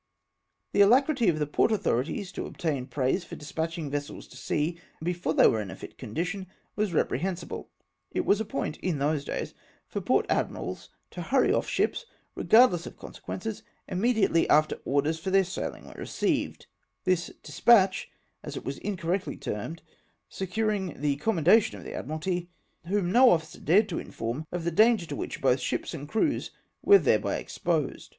The alacrity of the port authorities to obtain praise for despatching vessels to sea before they were in fit condition, was reprehensible. It was a point in those days for port admirals to hurry off ships, regardless of consequences, immediately after orders for their sailing were received ; this " despatch" as it was incorrectly termed, securing the commendation of the Admiralty, whom no officer dared to inform of the danger to which both ships and crews were thereby exposed.